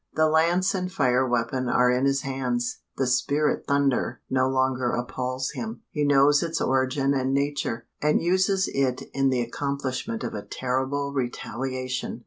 The lance and fire weapon are in his hands; the spirit thunder no longer appals him: he knows its origin and nature, and uses it in the accomplishment of a terrible retaliation!